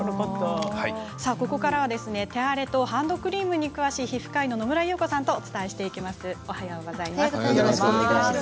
ここからは手荒れとハンドクリームに詳しい皮膚科医の野村有子さんとよろしくお願いします。